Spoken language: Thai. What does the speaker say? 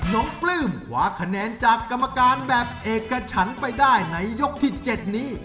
ปลื้มคว้าคะแนนจากกรรมการแบบเอกฉันไปได้ในยกที่๗นี้